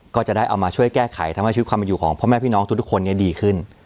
ก็จะได้เอามาช่วยแก้ไขทำให้ชีวิตความเป็นอยู่ของพ่อแม่พี่น้องทุกคนดีขึ้น